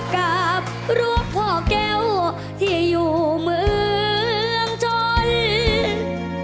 กับรูปพ่อแก้วที่อยู่เมืองชน